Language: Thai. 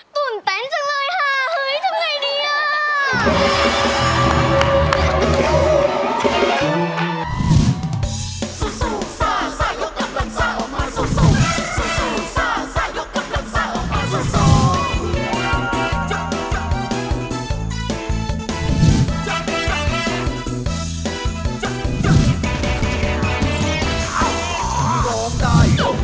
ตื่นเต้นจังเลยค่ะเฮ้ยทำไงดีอ่ะ